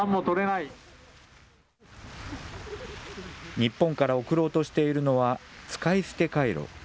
日本から送ろうとしているのは使い捨てカイロ。